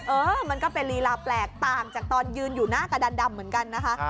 เออมันก็เป็นลีลาแปลกต่างจากตอนยืนอยู่หน้ากระดันดำเหมือนกันนะคะ